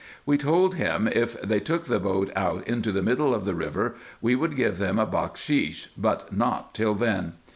We told him, if they took the boat out into the middle of the river, we would give them a bakshis, but not till then.